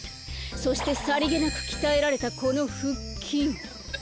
そしてさりげなくきたえられたこのふっきん。